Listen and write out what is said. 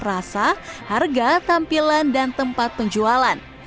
rasa harga tampilan dan tempat penjualan